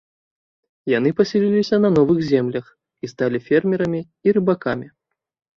Яны пасяліліся на новых землях і сталі фермерамі і рыбакамі.